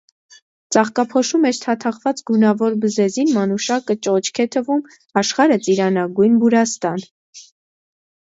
Ծաղկափոշու մեջ թաթախված գունավոր բզեզին մանուշակը ճոճք է թվում, աշխարհը` ծիրանագույն բուրաստան: